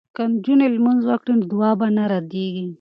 که نجونې لمونځ وکړي نو دعا به نه ردیږي.